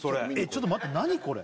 ちょっと待って何これ？